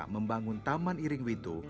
membangun taman iring witu